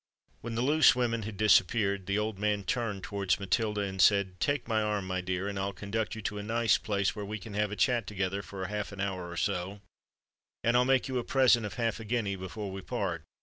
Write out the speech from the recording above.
When the loose women had disappeared, the old man turned towards Matilda, and said, "Take my arm, my dear; and I'll conduct you to a nice place where we can have a chat together for half an hour or so; and I'll make you a present of half a guinea before we part."